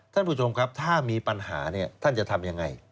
ท่านผู้ชมครับถ้ามีปัญหาเนี่ยท่านจะทำยังไง